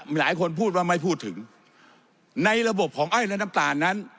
หลายคนพูดว่าไม่พูดถึงในระบบของอ้อยและน้ำตาลนั้น